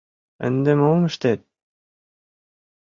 — Ынде мом ыштет?